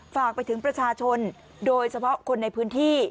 ฝากไปถึงประชาชนโดยเฉพาะคนในพื้นที่